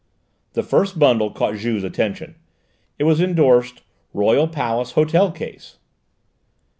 The first bundle caught Juve's attention. It was endorsed "Royal Palace Hotel Case."